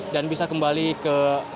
dan bisa kembali ke kembali